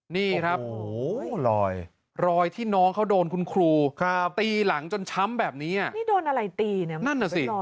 นี่ครับรอยที่น้องเขาโดนคุณครูตีหลังจนช้ำแบบนี้โดนอะไรตีเนี่ยมันเป็นรอยค่ะนั่นอ่ะสิ